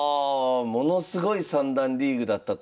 ものすごい三段リーグだったと。